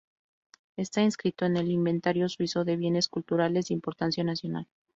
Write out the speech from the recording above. Está inscrito en el inventario suizo de bienes culturales de importancia nacional.